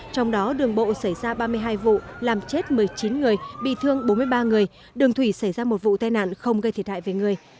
trong đó đường bộ xảy ra ba mươi hai vụ làm chết một mươi chín người bị thương bốn mươi ba người đường thủy xảy ra một vụ tai nạn không gây thiệt hại về người